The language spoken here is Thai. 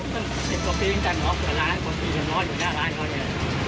ผมต้องเต็มกระปริงกันหรอกแต่ร้านกระปริงมันน้อยอยู่หน้าร้านน้อยอย่างนั้น